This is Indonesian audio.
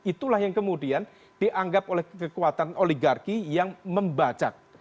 itulah yang kemudian dianggap oleh kekuatan oligarki yang membajak